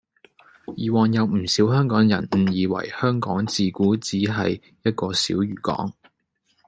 以往有唔少香港人誤以為香港自古只係一個小漁港